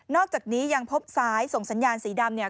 นอกจากนี้ยังพบสายส่งสัญญาณสีดำ